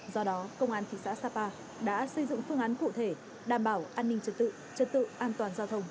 do đó công an thị xã sapa đã xây dựng phương án cụ thể đảm bảo an ninh trật tự trật tự an toàn giao thông